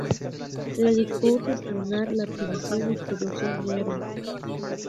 Se decidió gestionar la adquisición y producción de armas.